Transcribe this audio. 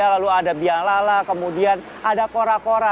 lalu ada biang lala kemudian ada kora kora